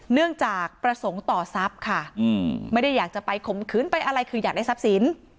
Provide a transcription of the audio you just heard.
เนื่องจากประสงค์ต่อทรัพย์ค่ะไม่ได้อยากจะไปข่มขืนไปอะไรคืออยากได้ทรัพย์สิน